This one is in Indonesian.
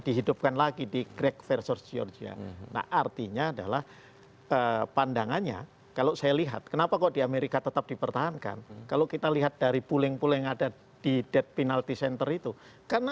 tidak pernah ada kesesatan untuk kehukuman mati di peradilan